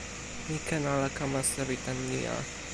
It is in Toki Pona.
mi ken ala kama sewi tan ni a.